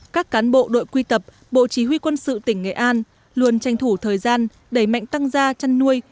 các cán bộ đội quy tập bộ chỉ huy quân sự tỉnh nghệ an luôn tranh thủ thời gian đẩy mạnh tăng gia chăn nuôi